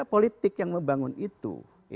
politik yang membangun itu